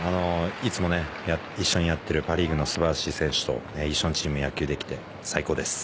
いつも一緒にやっているパ・リーグの素晴らしい選手と野球できて最高です。